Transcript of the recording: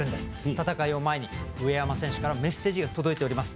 戦いを前に上山選手からメッセージが届いています。